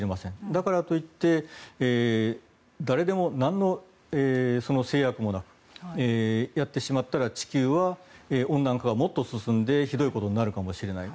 だからと言って誰でも何の制約もなくやってしまったら地球は温暖化がもっと進んでひどいことになるのかもしれない。